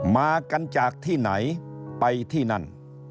มากันจากที่ไหนไปที่นั่น